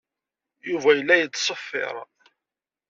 Yuba yella yettṣeffir.